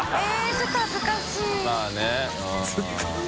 ちょっと恥ずかしいまぁね。